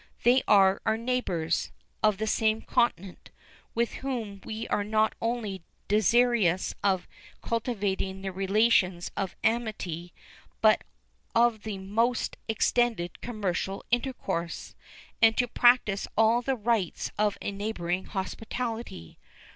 They are our neighbors, of the same continent, with whom we are not only desirous of cultivating the relations of amity, but of the most extended commercial intercourse, and to practice all the rites of a neighborhood hospitality.